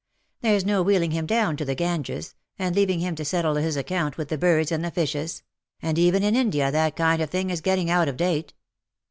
There^s no wheeling him down to the Ganges, and leaving him to settle his account with the birds and the fishes ; and even in India that kind of thing is getting out of date."